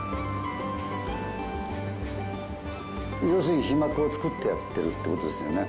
要するに皮膜を作ってやってるって事ですよね。